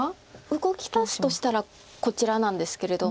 動きだすとしたらこちらなんですけれども。